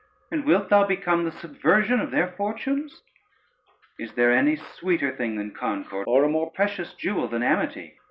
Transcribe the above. and wilt thou become the subversion of their fortunes? is there any sweeter thing than concord, or a more precious jewel than amity?